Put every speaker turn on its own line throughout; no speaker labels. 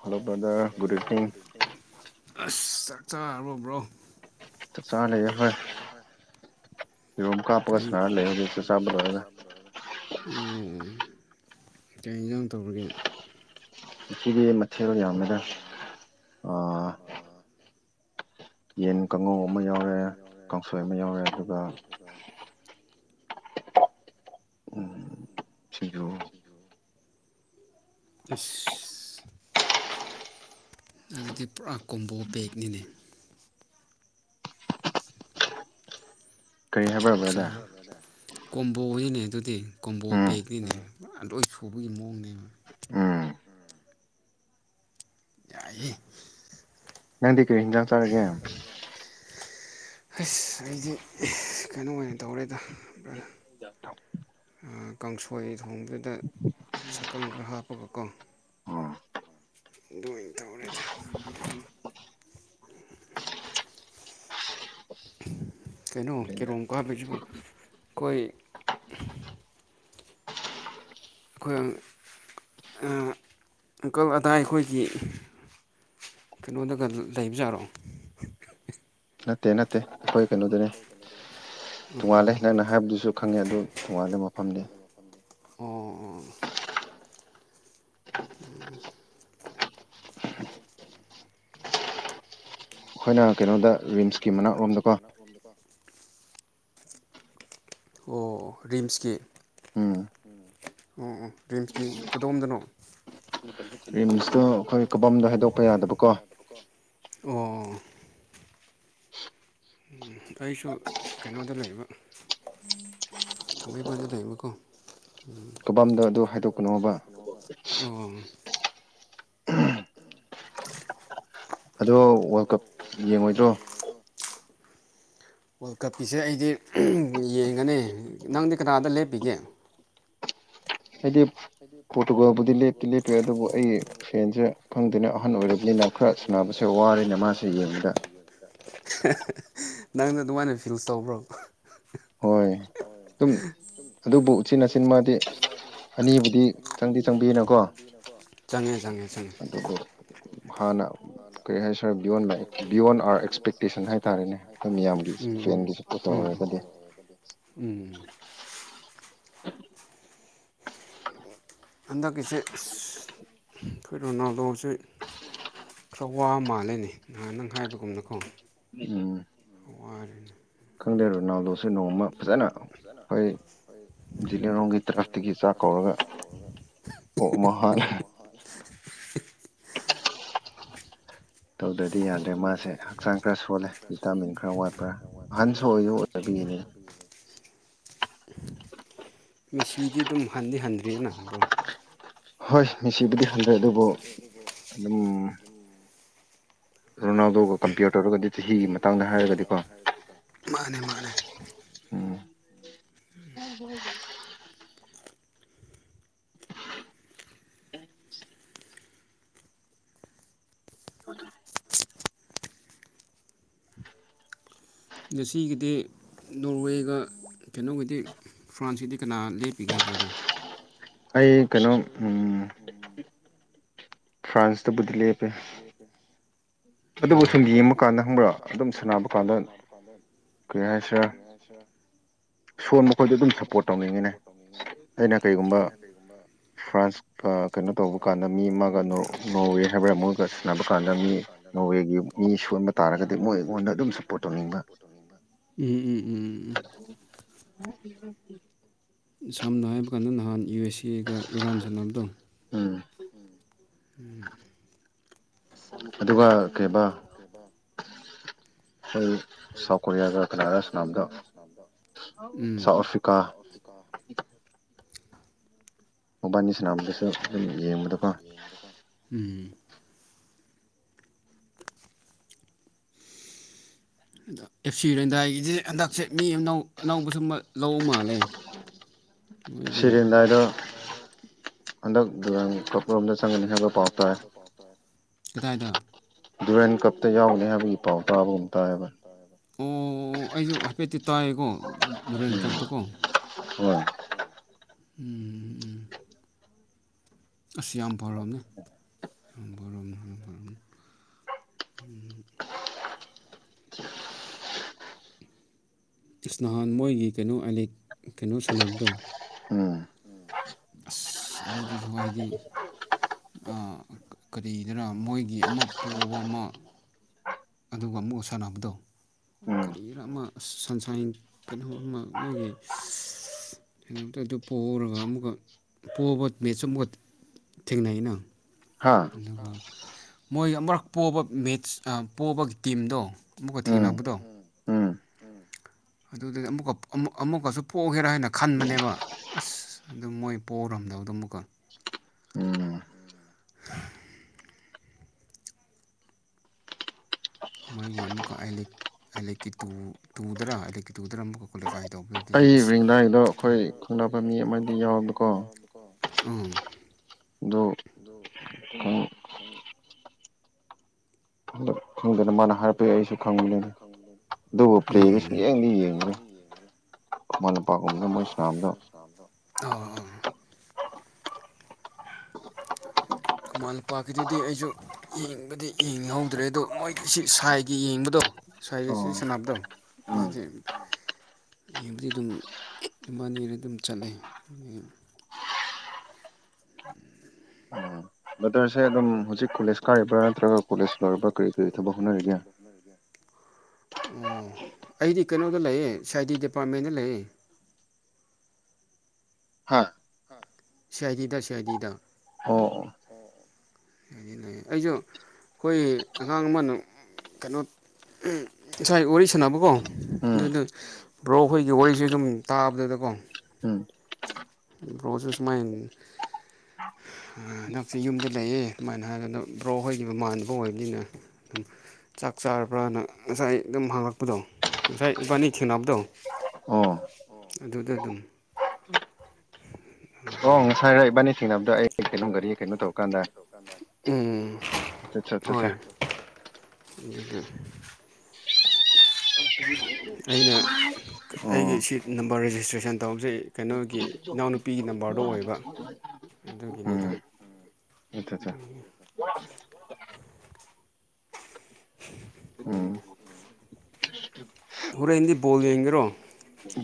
hello ꯗꯥ good evening
ꯑꯁ ꯆꯥꯛ ꯆꯥꯕꯣꯕ꯭ꯔꯣ
ꯆꯂ ꯍꯣꯏ ꯌꯦꯔꯨꯝ
[unintelligible]
ꯀꯥꯞꯄꯒ ꯁꯥꯟꯅꯔ ꯂꯩ ꯍꯧꯖꯤꯛ ꯆꯥꯛ ꯆꯥꯕ ꯂꯣꯏꯔꯒ
ꯑꯝ-ꯝ ꯀꯩ ꯍꯤꯟꯖꯥꯡ ꯊ‌ꯣꯡꯉꯥꯒ‌ꯦ
ꯁꯤꯗꯤ ꯃꯊꯦꯜ ꯌꯥꯝꯃꯦꯗ ꯑ ꯀꯥꯡꯉꯧ ꯑꯃ ꯌꯥꯎꯔꯦ ꯀꯥꯡꯁꯣꯏ ꯑꯃ ꯌꯥꯎꯔꯦ ꯑꯗꯨꯒ ꯎꯝ ꯁꯤꯡꯖꯨ
ꯑꯁ ꯑꯗꯨꯗꯤ ꯄꯨꯔꯥ ꯀ‌ꯣꯝꯕ‌ꯣ ꯄ‌ꯦꯛꯅꯤꯅꯦ
ꯀꯔꯤ
ꯆꯞ
ꯍꯥꯏꯕꯔꯕ꯭ꯔꯥ ꯕ꯭ꯔꯗꯔ
ꯆꯥꯅ ꯀꯣꯝꯕꯣꯅꯤꯅꯦ ꯑꯗꯨꯗꯤ ꯀꯣꯝꯕꯣ
ꯎꯝ
ꯄꯦꯛꯅꯤꯅꯦ ꯂꯣꯏ ꯁꯨꯕꯒꯤ ꯃꯑꯣꯡꯅꯦꯕ
ꯎꯝ
ꯌꯥꯏꯌꯦ
ꯅꯪꯗꯤ ꯀꯔꯤ ꯍꯤꯟꯖꯥꯡ ꯆꯥꯔꯒꯦ
ꯍꯁ ꯑꯩꯗꯤ ꯀꯩꯅꯣ ꯑꯣꯏꯅ ꯇꯧꯔꯦꯗ
[inaudible]
ꯀꯥꯡꯁꯣꯏ ꯊꯣꯡꯗꯨꯗ ꯁꯛꯀꯪ ꯈꯔ ꯍꯥꯞꯄꯒꯀꯣ [inaudible]
ꯎꯝ ꯎꯝ
ꯀꯩꯅꯣ ꯀꯦꯔꯣꯝ ꯀꯥꯕꯤꯁꯤꯕꯨ ꯑꯩꯈꯣꯏ ꯑꯩꯈꯣꯏ ꯑꯪꯀꯜ ꯑꯗꯥꯏ ꯑꯩꯈꯣꯏꯒꯤ ꯀꯩꯅꯣꯗꯒ ꯂꯩꯕꯖꯥꯔꯣ
ꯅꯠꯇꯦ ꯅꯠꯇꯦ ꯑꯩꯈꯣꯏ ꯀꯩꯅꯣꯗꯅꯦ ꯇꯣꯡꯉꯥꯜꯂꯦ ꯅꯪꯅ ꯍꯥꯏꯕꯗꯨꯁꯨ ꯈꯪꯉꯦ
ꯎ
ꯑꯗꯨ ꯇꯣꯡꯉꯥꯜꯂꯦ ꯃꯐꯝꯗꯤ
ꯑꯣ ꯑꯣ ꯑꯣ
ꯑꯩꯈꯣꯏꯅ ꯀꯩꯅꯣꯗ ꯔꯤꯝꯁꯀꯤ ꯃꯅꯥꯛꯔꯣꯝꯗꯀꯣ
ꯑꯣ ꯔꯤꯝꯁꯀꯤ
ꯎꯝ
ꯑꯣ ꯑꯣ ꯔꯤꯝꯁꯀꯤ ꯀꯗꯣꯝꯗꯅꯣ
ꯔꯤꯝꯁꯇꯣ ꯑꯩꯈꯣꯏ ꯀꯕꯝꯗꯣ ꯍꯥꯏꯗꯣꯛꯄ ꯌꯥꯗꯕꯀꯣ
ꯑꯣ ꯑꯩꯁꯨ ꯀꯩꯅꯣꯗ ꯂꯩꯕ ꯊꯥꯡꯃꯩꯕꯟꯗꯗ ꯂꯩꯕꯀꯣ
ꯀꯕꯝꯗꯣ ꯑꯗꯨ ꯍꯥꯏꯗꯣꯛꯀꯅꯣꯕ
ꯑꯣ
ꯑꯗꯣ ꯋꯥꯔꯜ ꯀꯞ ꯌꯦꯡꯉꯣꯏꯗ꯭ꯔꯣ
[unintelligible] ꯋꯥꯔꯜ ꯀꯞꯀꯤꯁꯦ ꯑꯩꯗꯤ ꯌꯦꯡꯒꯅꯤ ꯅꯪꯗꯤ ꯀꯅꯥꯗ ꯂꯦꯞꯄꯤꯒꯦ [inaudible]
ꯑꯩꯏꯗꯤ [unintelligible] ꯂꯦꯞꯇꯤ ꯂꯦꯞꯄꯤ ꯑꯗꯨꯕꯨ ꯑꯩꯒꯤ ꯐꯦꯟꯁꯦ ꯈꯪꯗꯅ ꯑꯍꯟ ꯑꯣꯏꯔꯕꯅꯤꯅ ꯈꯔ ꯁꯥꯟꯅꯕꯁ‌ꯦ
ꯅꯪꯅ ꯑꯗꯨꯃꯥꯏꯅ ꯐꯤꯁꯜ ꯇꯧꯕ꯭ꯔꯣꯕ
ꯍꯣꯏ ꯑꯗꯨꯝ ꯑꯗꯨꯕꯨ ꯎꯆꯤꯟ ꯅꯥꯆꯤꯟ ꯃꯥꯗꯤ ꯑꯅꯤꯕꯨꯗꯤ
[unintelligible]
ꯆꯪꯗꯤ ꯆꯪꯕꯤꯅꯀꯣ
ꯆꯪꯉꯦ ꯆꯪꯉꯦ ꯆꯪꯉꯦ
ꯀꯩ ꯍꯥꯏꯁꯤꯔ ꯕꯤꯌꯣꯟꯕ ꯑꯥꯔ ꯑꯦꯛꯁꯄꯦꯛꯇꯦꯁꯟ ꯍꯥꯏ ꯇꯥꯔꯦꯅꯦ ꯑꯩꯈꯣꯏ ꯃꯤꯌꯥꯝꯒꯤ ꯐꯦꯟꯒꯤ ꯁꯄꯣꯔꯠꯇ ꯇꯧꯔꯒꯗꯤ
ꯎꯝ ꯍꯟꯗꯛꯀꯤꯁꯦ ꯑꯁ ꯑꯩꯈꯣꯏ ꯔꯣꯅꯥꯜꯗꯣꯁꯦ ꯈꯔ ꯋꯥ ꯃꯥꯜꯂꯦꯅꯦ ꯅꯍꯥꯟ ꯅꯪ ꯍꯥꯏꯕꯒꯨꯝꯅꯀꯣ
ꯎꯝ
ꯋꯥꯔꯦꯅꯦ
ꯈꯪꯗꯦ ꯔꯣꯅꯥꯜꯗꯣꯁꯦ ꯅꯣꯡꯃ ꯐꯖꯅ ꯍꯣꯏ ꯖꯤꯂꯤꯔꯣꯡꯒꯤ ꯇꯔꯄꯇꯒꯤ ꯆꯥꯛ ꯀꯧꯔꯒ ꯑꯣꯛ ꯑꯃ ꯍꯥꯠꯂꯒ
[unintelligible]
ꯇꯧꯗ꯭ꯔꯗꯤ ꯌꯥꯗ꯭ꯔꯦ ꯃꯥꯁꯦ ꯍꯛꯆꯥꯡ ꯈꯔ ꯁꯣꯜꯂꯦ ꯚꯤꯇꯥꯃꯤꯟ ꯈꯔ ꯋꯥꯠꯄ꯭ꯔꯥ ꯑꯍꯟꯁꯨ ꯑꯣꯏꯁꯨ ꯑꯣꯏꯔꯕꯒꯤ
[unintelligible] ꯃꯦꯁꯤꯗꯤ ꯑꯗꯨꯝ ꯍꯟꯗꯤ ꯍꯟꯗ꯭ꯔꯤꯅ ꯕ꯭ꯔꯣ
ꯍꯣꯏ ꯃꯤꯁꯤꯕꯨꯗꯤ
ꯍꯣꯏ
ꯍꯟꯗ꯭ꯔꯦ
ꯃꯦꯁꯤꯗꯤ
ꯑꯗꯨꯕꯨ
ꯈꯪꯖꯩ ꯑꯗꯨꯕꯨ ꯑꯗꯨꯝ
ꯔꯣꯅꯥꯜꯗꯣꯒ ꯀꯝꯄ꯭ꯌꯔ ꯇꯧꯔꯒꯗꯤ ꯆꯍꯤꯒꯤ ꯃꯇꯥꯡꯗ ꯍꯥꯏꯔꯒꯗꯤꯀꯣ
ꯃꯥꯅꯦ ꯃꯥꯅꯦ
ꯎꯝ
ꯉꯁꯤꯒꯤꯗꯤ ꯅꯣꯔꯋꯦꯒ ꯀꯩꯅꯣꯒꯤꯗꯤ ꯐ꯭ꯔꯥꯟꯁꯀꯤꯗꯤ ꯀꯅꯥ ꯂꯦꯞꯄꯤꯒꯦ ꯕ꯭ꯔꯗ
ꯑꯩ ꯀꯩꯅꯣ ꯎꯝ ꯐ꯭ꯔꯥꯟꯁꯇ ꯕꯨꯗꯤ ꯂꯦꯞꯄꯦ ꯑꯗꯨꯕꯨ
ꯎꯝ
ꯁꯨꯝ ꯌꯦꯡꯕ
ꯑꯗꯨꯕꯨ ꯁꯨꯝ
ꯀꯥꯟꯗ ꯈꯪꯕ꯭ꯔꯥ
ꯌꯦꯡꯃꯀꯥꯟꯗ
ꯑꯗꯨꯝ
ꯈꯡꯕ꯭ꯔꯥ
ꯁꯥꯟꯅꯕ
ꯑꯗꯨꯝ
ꯀꯥꯟꯗ
ꯁꯥꯅꯕ ꯀꯥꯟꯗ ꯀꯩ ꯍꯥꯏꯁꯤꯔ
ꯁꯣꯟ ꯃꯈꯣꯏꯗꯣ ꯑꯗꯨꯝ ꯁꯞꯄꯣꯔꯠ ꯇꯧꯅꯤꯡꯉꯤꯅꯦ ꯑꯩꯅ ꯀꯔꯤꯒꯨꯝꯕ ꯐ꯭ꯔꯥꯟꯁꯀ ꯀꯩꯅꯣ ꯇꯧꯕ ꯀꯥꯟꯗ ꯃꯤ ꯃꯥꯒ ꯅꯣꯔꯋꯦ ꯍꯥꯏꯕ ꯃꯣꯏꯒ ꯁꯥꯟꯅꯕ ꯀꯥꯟꯗ ꯃꯤ ꯅꯣꯔꯋꯦꯒꯤ ꯃꯤ ꯁꯣꯟꯕ ꯇꯥꯔꯒꯗꯤ ꯃꯣꯏ ꯑꯩꯉꯣꯟꯗ ꯑꯗꯨꯝ ꯁꯞꯄꯣꯔꯠ ꯇꯧꯅꯤꯡꯕ
ꯎꯝ ꯎꯝ ꯎꯝ ꯎꯝ
ꯎꯝ
ꯁꯝꯅ ꯍꯥꯏꯕ ꯀꯥꯟꯗ ꯅꯍꯥꯟ ꯌꯨ ꯑꯦꯁ ꯑꯦꯒ ꯏꯔꯥꯟ ꯁꯥꯟꯅꯕꯗꯣ
ꯎꯝ ꯑꯗꯨꯒ ꯀꯩꯕ ꯑꯩꯈꯣꯏ ꯁꯥꯎꯠ ꯀꯣꯔꯤꯌꯥꯒ ꯀꯅꯥꯒ ꯁꯥꯅꯕꯗꯣ
ꯎꯝ
ꯁꯥꯎꯠ ꯑꯐ꯭ꯔꯤꯀꯥ ꯏ [inaudible]
[inaudible] [unintelligible]
ꯁꯥꯟꯅꯕꯗꯁꯨ
ꯑꯣꯕꯥꯅꯤ ꯁꯅꯥ
ꯑꯗꯨꯝ ꯌꯦꯡꯕꯗꯀꯣ
ꯑꯗ ꯑꯦꯞꯁꯤ ꯔꯦꯟꯗꯥꯏꯒꯤꯁꯤ ꯍꯟꯗꯛꯁꯦ ꯃꯤ ꯑꯅꯧ ꯑꯅꯧꯕ ꯁ ꯂꯧ ꯃꯥꯜꯂꯦ ꯃꯣꯏꯒꯤ
ꯁꯤꯔꯦꯟꯗꯥꯏꯗ
ꯁꯤꯔꯝꯗꯥꯏꯗ
ꯍꯟꯗꯛ ꯗꯨꯔꯥꯟ ꯀꯞ ꯔꯣꯝꯗ ꯆꯪꯒꯅꯤ ꯍꯥꯏꯕ
ꯍꯟꯗꯛ
ꯄꯥꯎ
ꯆꯪꯅꯤꯕꯥꯎ ꯀꯗꯥꯏꯗ
ꯗꯨꯔꯟ
ꯑꯣ ꯑꯣ ꯑꯩꯖꯨ ꯍꯥꯏꯐꯦꯠꯇꯤ ꯇꯥꯏꯌꯦꯀꯣ ꯗꯨꯔꯟ ꯀꯞ ꯇꯀꯣ
ꯎꯝ
ꯎꯝꯝ ꯎꯝ ꯑꯁ ꯌꯥꯝ ꯐꯔꯕꯅꯦ ꯑꯃꯥꯔꯣꯝꯗꯗꯤ ꯐꯩ ꯎꯝ
[inaudible] [unintelligible]
ꯏꯁꯅꯥꯍꯥꯟ ꯃꯣꯏꯒꯤ ꯀꯩꯅꯣ ꯑꯥꯏ ꯀꯩꯅꯣ ꯁꯥꯟꯅꯕꯗꯣ
ꯎꯝ
ꯑꯁ ꯑꯗꯨꯗꯨꯁꯨ ꯍꯥꯏꯗꯤ ꯀꯔꯤꯗꯅ ꯃꯣꯏꯒꯤ ꯑꯃ ꯄꯣꯕ ꯑꯃ ꯑꯗꯨꯒ ꯑꯃꯨꯛ ꯁꯥꯟꯅꯕꯗꯣ
ꯎꯝ
ꯀꯔꯤꯔ ꯑꯃ ꯁꯟꯁꯥꯏꯟ ꯀꯩꯅꯣ ꯑꯃ ꯃꯣꯏꯒꯤ ꯊꯦꯡꯅꯕꯗ ꯑꯗꯨ ꯄꯣꯛꯎꯔꯒ ꯑꯃꯨꯛꯀ ꯄꯣꯛꯑꯕ ꯃꯦꯠꯆꯁꯨ ꯑꯃꯨꯛꯀ ꯊꯦꯡꯅꯩꯅ
ꯍꯥ
ꯑꯗꯨꯒ ꯃꯣꯏ ꯑꯃꯛ ꯄꯣꯕ ꯃꯦꯠꯆ ꯄꯣꯕꯒꯤ ꯇꯤꯝꯗꯣ ꯑꯃꯨꯛꯀ
ꯎꯝ
ꯊꯦꯡꯅꯕꯗꯣ
ꯎꯝ
ꯑꯗꯨꯗꯨꯗꯤꯨ ꯑꯃꯨꯛꯀꯁꯨ ꯄꯣꯛꯒꯦꯔꯥ ꯍꯥꯏꯅ ꯈꯟꯕꯅꯦꯕ ꯑꯁ ꯑꯗꯨ ꯃꯣꯏ ꯄꯣꯛꯎꯔꯝꯗ ꯌꯥꯗ ꯑꯃꯨꯀꯣ
ꯎꯝ
ꯃꯣꯏꯒꯤ ꯑꯃꯨꯛꯀ ꯑꯦ ꯑꯂꯦꯛꯀꯤ ꯇꯨ ꯇꯨꯗꯔ ꯑꯂꯦꯛꯀꯤ ꯇꯨꯗꯔ ꯑꯃꯨꯛꯀ ꯀ꯭ꯋꯥꯂꯤꯐꯥꯏ ꯇꯧꯕꯤꯌꯣ ꯑꯗꯨꯗꯤ
ꯑꯩ
ꯑꯁ
ꯔꯤꯡꯗꯥꯏꯗꯣ
ꯑꯏꯕ ꯈꯥꯡꯗ
ꯑꯩꯈꯣꯏ
ꯑꯩꯈꯣꯏ
ꯈꯪꯅꯕ ꯃꯤ
ꯑꯄ
ꯑꯃꯗꯤ
ꯃꯤ ꯑꯃꯗꯤ
ꯌꯥꯎꯋꯦꯕꯀꯣ
ꯌꯥꯎꯕꯀꯣ ꯑ
ꯑꯗꯨ ꯈꯪꯗꯅ ꯃꯥꯅ ꯍꯥꯏꯔꯛꯄ ꯑꯩꯁꯨ ꯈꯪꯕꯅꯤꯅ ꯑꯗꯨꯕꯨ ꯄ꯭ꯂꯦꯗꯨ ꯁꯨꯡ ꯌꯦꯡꯗꯤ ꯌꯦꯡꯅꯤ
ꯑ [inaudible] ꯈꯨꯃꯥꯟꯄꯥꯛꯀꯤꯗꯨꯗꯤ ꯑꯩꯁꯨ ꯌꯦꯡꯕꯗꯤ ꯌꯦꯡꯉꯤꯍꯧꯗ꯭ꯔꯦ ꯑꯗꯨꯗ ꯃꯣꯏꯒꯤ ꯁꯤ ꯁꯥꯏꯒꯤ ꯌꯦꯡꯕꯗꯣ ꯁꯥꯏꯒ ꯁꯤ
ꯑꯣ
ꯁꯥꯟꯅꯕꯗꯣ
ꯎꯝ
ꯑꯗꯨꯗꯤ ꯌꯦꯕꯨꯗꯤ ꯑꯗꯨꯝ ꯏꯕꯥꯅꯤ ꯑꯗꯨꯝ ꯆꯠꯂꯦ
ꯕꯗꯔꯁꯦ ꯑꯗꯨꯝ ꯍꯧꯖꯤꯛ ꯀꯣꯂꯦꯖ ꯀꯥꯔꯤꯕ꯭ꯔꯥ ꯅꯠꯇ꯭ꯔꯒ ꯀꯣꯂꯦꯖ ꯂꯣꯏꯔꯤꯕ꯭ꯔꯥ ꯀꯔꯤ ꯀꯔꯤ ꯊꯕꯛ ꯍꯣꯠꯅꯔꯤꯒꯦ
ꯑꯣ ꯑꯩꯗꯤ ꯀꯩꯅꯣꯗ ꯂꯩꯌꯦ ꯁꯥꯏ ꯗꯤ ꯗꯤꯄꯥꯔꯠꯃꯦꯟꯗ ꯂꯩꯌꯦ [inaudible]
ꯍꯥ
ꯁꯔꯤꯗ ꯁꯦꯔꯤꯗ
ꯑ
ꯂꯩꯌꯦ ꯑꯩꯁꯨ ꯑꯩꯈꯣꯏ ꯑꯉꯥꯡ ꯑꯃꯅ ꯀꯩꯅꯣ ꯉꯁꯥꯏ ꯋꯥꯔꯤ ꯁꯥꯟꯅꯕꯀꯣ
ꯎꯝ
ꯑꯗꯨꯗ ꯕ꯭ꯔꯣ ꯑꯩꯈꯣꯏꯒꯤ ꯋꯥꯔꯤꯁꯨ ꯑꯗꯨꯝ ꯇꯥꯕꯗꯨꯗꯀꯣ
ꯎꯝ
꯭ꯔꯣꯁꯦꯁ ꯃꯥꯏꯟ ꯍꯟꯗꯛꯁ ꯌꯨꯝꯗ ꯂꯩꯑꯦ ꯑꯗꯨꯃꯥꯏꯅ ꯍꯥꯏꯔꯒ ꯑꯗꯣ ꯕ꯭ꯔꯣ ꯍꯣꯏꯒꯤꯈꯤꯕ ꯃꯥꯟꯅꯕ ꯑꯣꯏꯕꯅꯤꯅ ꯑꯗꯨꯝ ꯆꯥꯛ ꯆꯥꯔꯕ꯭ꯔꯅ ꯉꯁꯥꯏ ꯑꯗꯨꯝ ꯍꯥꯡꯉꯛꯄꯗꯣ ꯉꯁꯥꯏ ꯏꯕꯥꯅꯤ ꯊꯦꯡꯅꯕꯗꯣ
ꯑꯣ
ꯑꯗꯨꯗ ꯑꯗꯨꯝ
ꯉꯁꯥꯏꯔ
ꯑꯣ
ꯏꯕꯥꯅꯤ
ꯉꯁꯥꯏ
ꯊꯦꯡꯅꯕꯗꯣ
ꯏꯕꯥꯅꯤ
ꯑꯩ ꯀꯩꯅꯣ
ꯊꯦꯡꯅꯕꯗ
ꯒꯥꯔꯤ
ꯑꯩ
ꯀꯩꯅꯣ
ꯀꯩꯅꯣꯗꯤ
ꯇꯧꯔꯀꯥꯟꯗ
ꯀꯩꯅꯣ ꯇꯧꯔ ꯀꯥꯟꯗ
ꯑꯠꯆꯥ ꯑꯆꯥ
ꯑꯗꯨꯒꯗ
ꯑꯣ
[unintelligible] ꯑꯩꯅ ꯑꯩꯒꯤ ꯁꯤ ꯅꯝꯕꯔ ꯔꯦꯖꯤꯁꯇ꯭ꯔꯦꯁꯟ ꯇꯧꯖꯩ ꯀꯩꯅꯣꯒꯤ ꯏꯅꯥꯎꯅꯨꯄꯤꯒꯤ ꯅꯝꯕꯔ ꯃꯔꯨ ꯑꯣꯏꯕ ꯑꯗꯨꯒꯤꯅꯤꯗ
ꯎꯝ ꯑꯠꯆꯥ ꯑꯠꯆꯥ
ꯎꯝ
ꯎꯝ
[unintelligible] ꯍꯣꯔ ꯍꯤꯟꯗꯤ ꯣꯜ ꯌꯦꯡꯒꯦꯔꯣ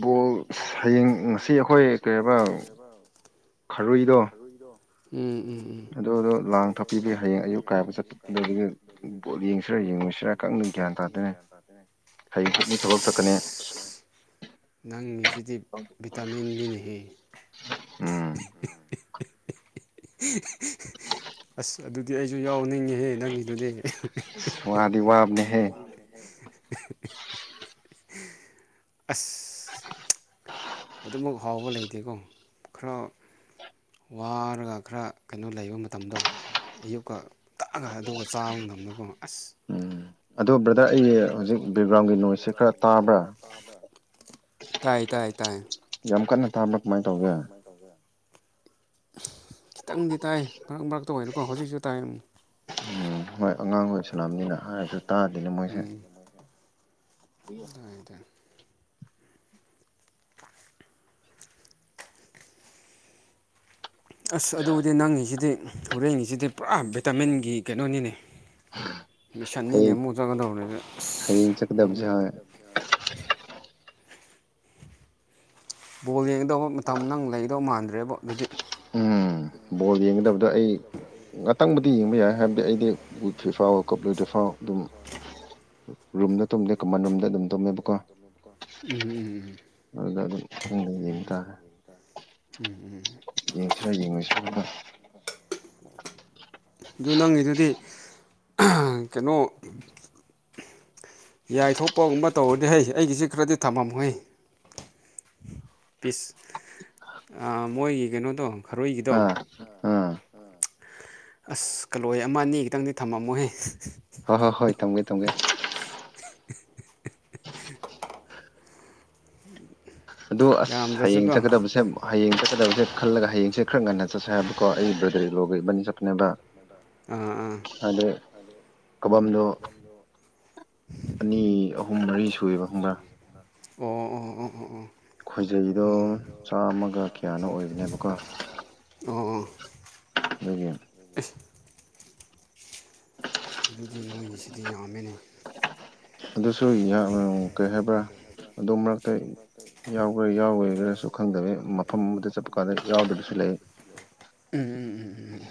ꯕꯣꯜ ꯍꯌꯦꯡ ꯉꯁꯤ ꯑꯩꯈꯣꯏ
ꯁꯤ ꯑꯩ ꯍꯣꯏ ꯀꯦꯕ
ꯈꯔꯨꯏꯗꯣ
ꯎꯝ ꯎꯝ ꯎꯝ
ꯑꯗꯨꯗꯣ ꯂꯥꯡ ꯊꯛꯄꯤꯕꯒꯤ ꯍꯌꯦꯡ ꯑꯌꯨꯛ ꯀꯥꯏꯕ ꯆꯠꯗꯒꯤ ꯕꯣꯠ ꯌꯦꯡꯁꯤꯔꯥ ꯌꯦꯡꯉꯨꯁꯤꯔꯥ ꯀꯛ ꯆꯠꯅꯤ ꯊꯕꯛ ꯆꯠꯀꯅꯤ
ꯑꯁꯅꯦ ꯅꯪ ꯃꯤꯁꯤꯗꯤ ꯤꯇꯥꯃꯤꯟ ꯅꯤꯅꯤꯍꯦ
ꯎꯝ
[unintelligible] ꯑꯁ ꯑꯗꯨꯗꯤ ꯑꯩꯁꯨ ꯌꯥꯎꯅꯤꯡꯉꯤꯍꯦ ꯅꯪꯒꯤꯗꯨꯗꯤ
ꯋꯥꯗꯤ ꯋꯥꯕꯅꯦꯍꯦ
ꯑꯁ ꯑꯗꯨꯃꯛ ꯍꯥꯎꯕ ꯂꯩꯇꯦꯀꯣ ꯈꯔ ꯋꯥꯔꯒ ꯈꯔ ꯀꯩꯅꯣ ꯂꯩꯕ ꯃꯇꯝꯗꯣ ꯑꯌꯨꯛꯀ ꯇꯛꯑꯒ ꯑꯗꯨꯒ ꯆꯥꯕ ꯃꯇꯝꯝꯗꯒ ꯑꯁ
ꯎꯝ ꯑꯗꯣ ꯕ꯭ꯔꯗꯔ ꯑꯩ ꯍꯧꯖꯤꯛ ꯕꯦꯛꯒ꯭ꯔꯥꯎꯟꯒꯤ ꯅꯣꯁꯁꯦ ꯈꯔ ꯇꯥꯕ꯭ꯔꯥ
ꯇꯥꯏ ꯇꯥꯏ ꯇꯥꯏ
ꯌꯥꯝ ꯀꯟꯅ ꯊꯥꯕ꯭ꯔꯥ ꯀꯃꯥꯏꯅ ꯇꯧꯒꯦ
ꯈꯤꯇꯪꯗꯤ ꯇꯥꯏ ꯃꯔꯛ ꯃꯔꯛꯇ ꯑꯣꯏꯅꯀꯣ ꯍꯧꯖꯤꯛꯁꯨ ꯇꯥꯏ
ꯎꯝ ꯍꯣꯏ ꯑꯉꯥꯡꯈꯣꯏ ꯁꯅꯥꯝꯅꯤꯅ ꯍꯥꯏꯔꯗꯨ ꯇꯥꯗꯅꯦ ꯃꯣꯏꯁꯦ ꯍ
ꯇꯥꯏ ꯇꯥꯏ ꯑꯁ ꯑꯗꯨꯕꯨꯗꯤ ꯅꯪꯉꯤꯁꯤꯗꯤ ꯍꯣꯔꯦꯟꯒꯤꯁꯤꯗꯤ ꯄꯨꯔꯥ ꯚꯤꯇꯥꯃꯤꯟꯒꯤ ꯀꯩꯅꯣꯅꯤꯅꯦ
[unintelligible]
ꯃꯤꯁꯛꯅꯤꯅꯦ
ꯍꯌꯦꯡ
ꯑꯃꯨꯛ ꯆꯠꯀꯗꯧꯅꯤꯅ
ꯍꯌꯦꯡ ꯆꯠꯀꯗꯕꯁꯦ ꯍꯣꯏ
ꯕꯣꯜ ꯌꯦꯡꯒꯗꯧꯕ ꯃꯇꯝ ꯅꯪ ꯂꯩꯒꯗꯧ ꯃꯥꯟꯗ꯭ꯔꯦꯕ ꯑꯗꯨꯗꯤ
ꯎꯝ ꯕꯣꯜ ꯌꯦꯡꯒꯗꯕꯗ ꯑꯩ ꯉꯥꯛꯇꯪꯕꯨꯗꯤ ꯌꯦꯡꯕ ꯌꯥꯏ ꯍꯥꯏꯕꯗꯤ ꯑꯩꯗꯤ ꯎꯋꯐꯦ ꯐꯥꯎꯋ ꯀꯞ ꯂꯣꯏꯗꯦ ꯐꯥꯎꯋ ꯑꯗꯨꯝ ꯔꯨꯝꯗ ꯇꯨꯝꯗꯦ ꯀꯃꯟ ꯔꯨꯝꯗ ꯑꯗꯨꯝ ꯇꯨꯝꯃꯦꯕꯀꯣ
ꯎꯝꯝ ꯎꯝ
ꯑꯗꯨꯗ ꯑꯗꯨꯝ ꯈꯪꯗꯦ ꯌꯦꯡꯕ
ꯎꯝ
ꯇꯥꯔꯦ
ꯎꯝ ꯎꯝ
ꯌꯦꯉꯁꯨꯕ
ꯑꯗꯨ ꯅꯪꯒꯤꯤꯗꯨꯗꯤ ꯀꯩꯅꯣ ꯌꯥꯏꯊꯣꯛꯄꯒꯨꯝꯕ ꯇꯧꯔꯅꯤ ꯍꯩ ꯑꯩꯒꯤꯁꯤ ꯈꯔꯗꯤ ꯊꯝꯃꯝꯃꯨꯍꯦ ꯄꯤꯁ ꯃꯣꯏꯒꯤ ꯀꯩꯅꯣꯗꯣ ꯈꯔꯣꯏꯒꯤꯗꯣ
ꯑꯥ ꯑꯥ
ꯑꯁ ꯀꯜꯂꯣꯍꯦ ꯑꯃ ꯑꯅꯤ ꯈꯤꯇꯪꯗꯤ ꯊꯝꯃꯝꯃꯣꯍꯦ
ꯍꯣꯏ ꯍꯣꯏ ꯍꯣꯏ ꯊꯝꯒꯦ ꯊꯝꯒꯦ ꯑꯗꯨ ꯑꯁ ꯍꯌꯦꯡ
ꯌꯥꯝꯗ꯭ꯔꯁꯨꯀꯣ
ꯆꯠꯀꯗꯕꯁꯦ ꯍꯌꯦꯡ ꯆꯠꯀꯗꯕꯁꯦ ꯈꯜꯂꯒ ꯍꯌꯦꯡꯁꯦ ꯈꯔ ꯉꯟꯅ ꯆꯠꯁꯦ ꯍꯥꯏꯕꯀꯣ ꯑꯩ ꯕ꯭ꯔꯗꯔ ꯂꯣꯒ ꯏꯕꯅꯤ ꯆꯠꯄꯅꯦꯕ
ꯑꯥ ꯑꯥ
ꯑꯗꯨ ꯀꯕꯝꯗꯣ ꯑꯅꯤ ꯑꯍꯨꯝ ꯃꯔꯤ ꯁꯨꯑꯕ ꯍꯪꯕ꯭ꯔꯥ
ꯑꯣ ꯑꯣ ꯑꯣ ꯑꯣ ꯑꯣ
ꯈꯣꯏꯖꯩꯗꯣ ꯆꯥꯝꯃꯒ ꯀꯌꯥꯅꯣ ꯑꯣꯏꯕꯅꯦꯕꯀꯣ
ꯑꯣ ꯑꯣ
ꯍꯥꯏꯒꯤ
[inaudible] ꯑꯗꯨꯗꯤ ꯅꯣꯏꯒꯤꯁꯤꯗꯤ ꯌꯥꯝꯃꯦꯅꯦ
ꯑꯗꯨꯁꯨ ꯀꯩ ꯍꯥꯏꯕ꯭ꯔꯥ ꯑꯝ ꯃꯔꯛ
ꯑꯗꯨꯃꯥꯏꯛꯇ ꯌꯥꯎꯈꯣꯏ
ꯈꯪꯗꯕ
ꯌꯥꯎꯔꯣꯏꯅꯁꯨ
ꯃꯐꯝ
ꯈꯪꯗꯕꯦ
ꯑꯃꯗ ꯆꯠꯄ
ꯃꯐꯝ
ꯀꯥꯟꯗ
ꯑꯃꯗ ꯆꯠꯄ ꯀꯥꯟꯗ
ꯌꯥꯎꯗꯕꯁꯨ ꯂꯩ
ꯌꯥꯕ ꯎꯝ ꯎꯝ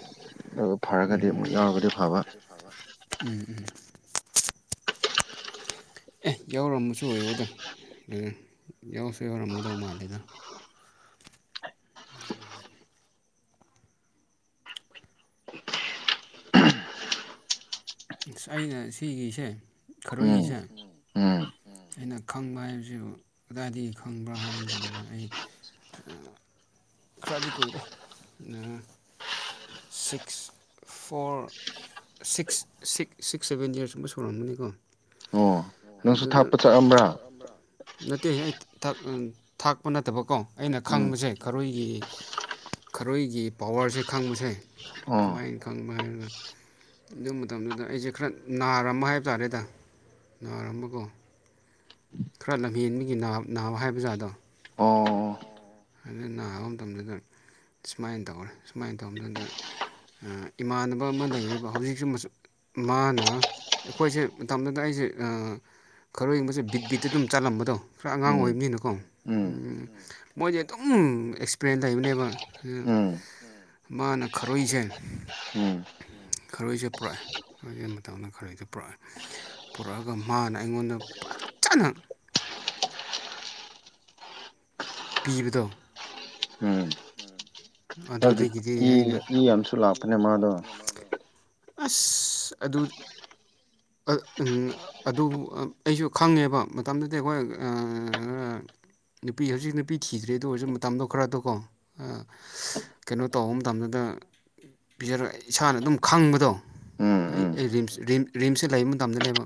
ꯑꯗꯨ
ꯎꯝ
ꯐꯔꯒꯗꯤ ꯑꯃꯨꯛ ꯌꯥꯎꯔꯒꯗꯤ ꯐꯕ
ꯎꯝꯝ ꯑꯦ ꯌꯥꯎꯔꯃꯁꯨ ꯑꯣꯏꯌꯣꯗ ꯌꯥꯎꯔꯁꯨ ꯌꯥꯎꯔꯝꯒꯗꯧ ꯃꯥꯜꯂꯦꯗ ꯑ ꯑꯩꯅ ꯁꯤꯒꯤꯁꯦ
ꯎꯝ
ꯈꯔꯣꯏꯒꯤꯁꯦ
ꯎꯝ
ꯑꯩꯅ ꯈꯪꯕ ꯍꯥꯏꯕꯁꯤ ꯑꯗꯨꯗꯥꯏꯗꯒꯤ ꯈꯪꯕ꯭ꯔꯥ ꯍꯥꯏꯕ ꯃꯇꯝꯗ ꯑꯩ ꯈꯔꯥꯗꯤ ꯀꯔꯦ ꯑ ꯁꯤꯛꯁ ꯐꯣꯔ ꯁꯤꯛꯁ ꯁꯤ ꯁꯤꯛꯁ ꯁꯚꯦꯟ ꯏꯔꯁ ꯑꯃ ꯁꯣꯔꯛꯃꯅꯤꯀꯣ
ꯑꯣ ꯅꯪꯁꯨ
ꯑꯗꯨ
ꯊꯥꯞꯄ ꯆꯠꯑꯝꯕ꯭ꯔꯥ
ꯅꯠꯇꯦ ꯑꯩ ꯊꯥꯛꯄ ꯅꯠꯇꯕꯀꯣ ꯑꯩꯅ
ꯎꯝ
ꯈꯪꯕꯁꯦ ꯈꯔꯣꯏꯒꯤ ꯈꯔꯣꯏꯒꯤ ꯄꯋꯥꯔꯁꯦ ꯈꯪꯕꯁꯦ
ꯑꯣ
ꯀꯃꯥꯏꯅ ꯈꯪ ꯑꯗꯨꯃꯥꯏꯅ ꯑꯗꯨ ꯃꯇꯝꯗꯨꯗ ꯑꯩꯁꯦ ꯈꯔ ꯅꯥꯔꯃ ꯍꯥꯏꯕ ꯇꯥꯔꯦꯗ ꯅꯥꯔꯝꯕꯀꯣ ꯈꯔ ꯂꯝꯍꯦꯟꯕꯒꯤ ꯅꯥꯕ ꯍꯥꯏꯕꯖꯥꯗꯣ
ꯑꯣ
ꯑꯗꯨ ꯅꯥꯕ ꯃꯇꯝꯗꯨꯗ ꯁꯨꯃꯥꯏꯅ ꯇꯧꯔꯦ ꯁꯨꯃꯥꯏꯅ ꯇꯧꯕꯗꯨꯗ ꯏꯃꯥꯟꯅꯕ ꯑꯃ ꯂꯩꯌꯦꯕ ꯍꯧꯖꯤꯛꯁꯨ ꯃꯥꯅ ꯑꯩꯈꯣꯏꯁꯦ ꯃꯇꯝꯗꯨꯗ ꯑꯩꯁꯦ ꯈꯔ ꯌꯦꯡꯕꯁꯦ ꯕꯤꯠ ꯕꯤꯠꯇ ꯑꯗꯨꯝ ꯆꯠꯂꯝꯕꯗꯣ ꯈꯔ ꯑꯉꯥꯡ
ꯎꯝ
ꯑꯣꯏꯕꯅꯤꯅꯀꯣ
ꯎꯝ
ꯎ ꯃꯣꯏꯁꯦ ꯑꯗꯨꯝ ꯑꯦꯛꯁꯄꯔꯦꯟ ꯂꯩꯕꯅꯦꯕ
ꯎꯝ
ꯃꯥꯅ ꯈꯥꯔꯣꯏꯁꯦ
ꯎꯝ
ꯈꯔꯣꯏꯁꯦ ꯄꯨꯔꯛꯑꯦ ꯑꯗꯨ ꯃꯇꯝꯗ ꯈꯔꯗ ꯄꯨꯔꯛꯑꯦ ꯄꯨꯔꯛꯑꯒ ꯃꯥꯅ ꯑꯩꯉꯣꯟꯗ ꯐꯖꯅ ꯄꯤꯕꯗꯣ
ꯎꯝ
ꯑꯗꯨꯗꯒꯤꯗꯤ ꯑꯩꯅ
ꯌꯥꯝꯁꯨꯂꯅꯦ ꯃꯥꯗꯣ
ꯑꯁ ꯑꯗꯨ ꯑꯗꯨ ꯑꯩꯁꯨ ꯈꯪꯉꯦꯕ ꯃꯇꯝꯗꯨꯗꯤ ꯑꯩꯈꯣꯏ ꯅꯨꯄꯤ ꯍꯧꯖꯤꯛ ꯅꯨꯄꯤ ꯄꯤꯤꯈꯤꯗ꯭ꯔꯦ ꯑꯗꯨ ꯑꯣꯏꯔꯁꯨ ꯃꯇꯝꯗꯣ ꯈꯔꯗꯣꯀꯣ ꯀꯩꯅꯣ ꯇꯧꯕ ꯃꯇꯝꯗꯨꯗ ꯄꯤꯖꯔ ꯏꯁꯥꯅ ꯑꯗꯨꯝ ꯈꯪꯕꯗꯣ
ꯎꯝ
ꯑꯩ
ꯎꯝ
ꯑꯩ ꯔꯤꯝꯁ ꯝ ꯔꯤꯝꯁꯇꯦ ꯂꯩꯕ ꯃꯇꯝꯗꯅꯦꯕ